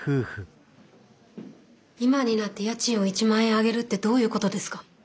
今になって家賃を１万円上げるってどういうことですか！